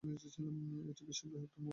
এটি বিশ্বের অন্যতম বৃহৎ হোটেল কোম্পানি।